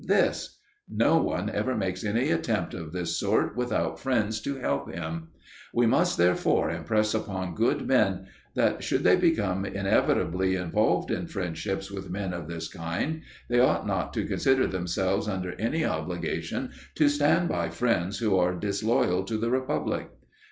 This: no one ever makes any attempt of this sort without friends to help him. We must therefore impress upon good men that, should they become inevitably involved in friendships with men of this kind, they ought not to consider themselves under any obligation to stand by friends who are disloyal to the republic.